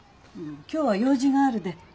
今日は用事があるで。